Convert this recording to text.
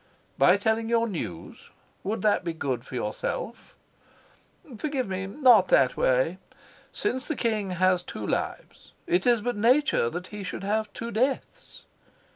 "By telling your news? Would that be good for yourself?" "Forgive me not that way. Since the king has two lives, it is but in nature that he should have two deaths."